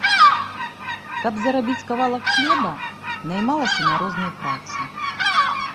Каб зарабіць кавалак хлеба, наймалася на розную працу.